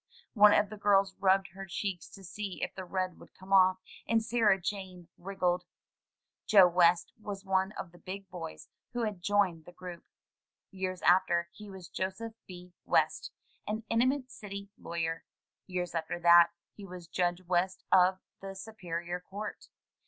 One of the girls rubbed her cheeks to see if the red would come off, and Sarah Jane wriggled. Joe West was one of the big boys who had joined the group. Years after, he was Joseph B. West, an eminent city lawyer. Years after that, he was Judge West of the Superior Court.